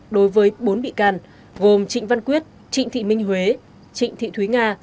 đối với bốn bị can gồm trịnh văn quyết trịnh thị minh huế trịnh thị thúy nga